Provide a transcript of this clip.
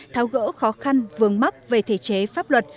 tháo gỡ khó khăn vướng mắc về thể chế pháp luật